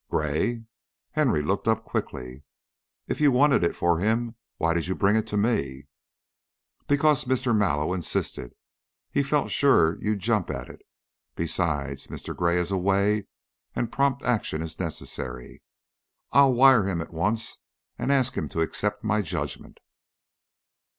"Gray?" Henry looked up quickly. "If you wanted it for him, why did you bring it to me?" "Because Mr. Mallow insisted. He felt sure you'd jump at it. Besides, Mr. Gray is away and prompt action is necessary. I'll wire him at once and ask him to accept my judgment."